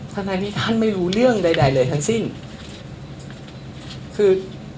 ทนายนิท่านไม่รู้เรื่องใดเลยทั้งสิ้นคือ